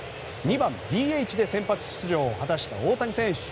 ２番ＤＨで先発出場を果たした大谷選手。